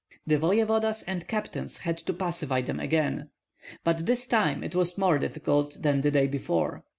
The voevodas and captains had to pacify them again, but this time it was more difficult than the day before.